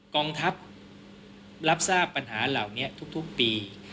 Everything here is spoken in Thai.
กองทัพรับทราบปัญหาเหล่านี้ทุกปี